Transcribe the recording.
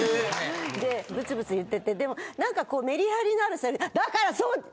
でブツブツ言っててでもなんかこうメリハリのあるセリフ「だからそう！」